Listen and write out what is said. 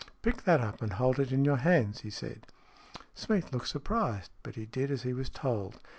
" Pick that up, and hold it in your hands," he said. Smeath looked surprised, but he did as he was told.